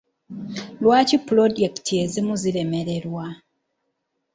Lwaki pulojekiti ezimu ziremererwa?